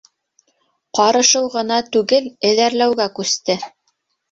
Ҡарышыу ғына түгел, эҙәрләүгә күсте.